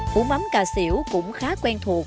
hủ mắm cà xỉu cũng khá quen thuộc